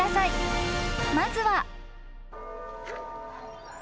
［まずは］